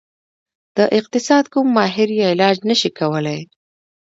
د اقتصاد کوم ماهر یې علاج نشي کولی.